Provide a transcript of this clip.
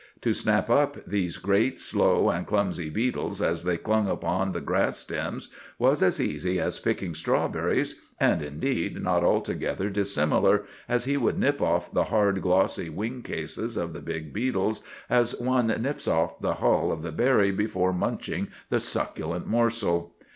To snap up these great, slow and clumsy beetles as they clung upon the grass stems was as easy as picking strawberries, and, indeed, not altogether dissimilar, as he would nip off the hard, glossy wing cases of the big beetles as one nips off the hull of the berry before munching the succulent morsel.